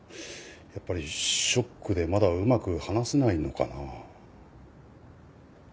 やっぱりショックでまだうまく話せないのかな。